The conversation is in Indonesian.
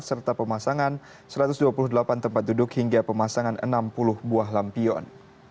serta pemasangan satu ratus dua puluh delapan tempat duduk hingga pemasangan enam puluh buah lampion